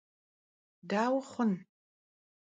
Daue xhun?